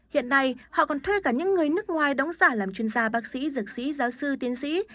hiện nay họ còn thuê cả những người nước ngoài đóng giả làm chuyên gia bác sĩ dược sĩ giáo sư tiến sĩ